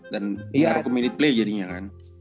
dan diarku minute play jadinya kan